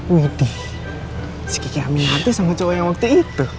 wih dih si kiki aminatih sama cowok yang waktu itu